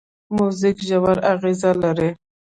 موزیک ژور اغېز لري.